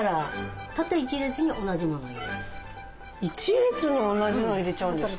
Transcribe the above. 一列に同じの入れちゃうんですか？